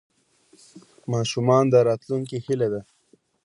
ماشومان د راتلونکي هیله ده.